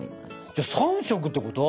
じゃあ３色ってこと？